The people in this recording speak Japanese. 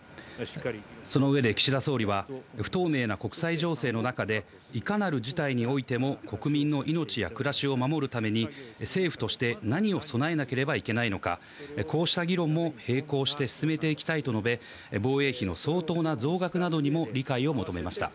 その上で岸田総理は、不透明な国際情勢の中で、いかなる事態においても国民の命や暮らしを守るために、政府として何を備えなければいけないのか、こうした議論も並行して進めていきたいと述べ、防衛費の相当な増額などにも理解を求めました。